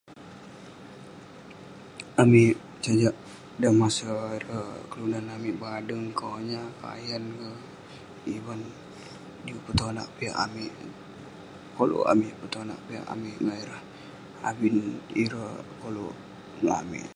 amik sajak dan masa ireh kelunan amik badeng, konyah, kayan keh, ivan, juk petonak piak amik, koluk amik petonak piak amik ngan ireh abin ireh koluk ngan amik